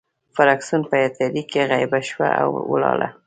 فرګوسن په تیارې کې غیبه شوه او ولاړه.